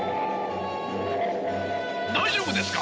大丈夫ですか？